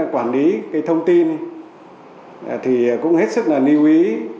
quản lý thông tin thì cũng hết sức là lưu ý